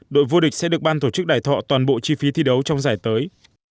đội vô địch sẽ được ban tổ chức đài thọ toàn bộ chi phí thi đấu trong giải tới